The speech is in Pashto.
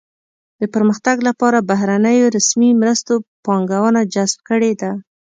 د پرمختګ لپاره بهرنیو رسمي مرستو پانګونه جذب کړې ده.